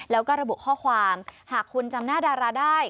แล้วก็ระบุข้อความหากคุณจำหน้าดาราได้